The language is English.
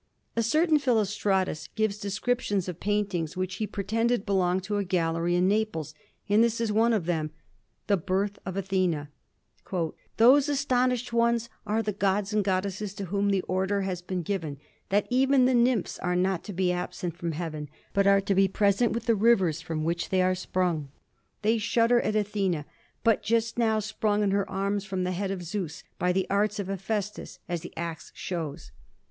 A certain Philostratus gives descriptions of paintings which he pretended belonged to a gallery in Naples, and this is one of them: "The Birth of Athena." "Those astonished ones are the gods and goddesses to whom the order has been given that even the nymphs are not to be absent from heaven, but are to be present with the rivers from which they are sprung. They shudder at Athena, but just now sprung in her arms from the head of Zeus, by the arts of Hephæstus, as the ax shows.